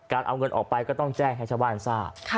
เอาเงินออกไปก็ต้องแจ้งให้ชาวบ้านทราบ